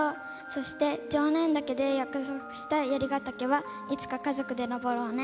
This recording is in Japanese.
そして、常念岳で約束した槍ヶ岳は、いつか家族で登ろうね。